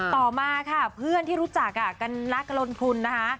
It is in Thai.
ต่อมาค่ะเพื่อนที่รู้จักกันนักลงทุนนะคะ